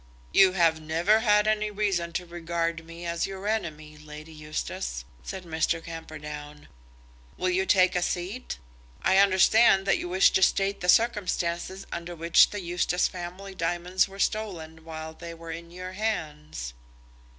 "You have never had any reason to regard me as your enemy, Lady Eustace," said Mr. Camperdown. "Will you take a seat? I understand that you wish to state the circumstances under which the Eustace family diamonds were stolen while they were in your hands."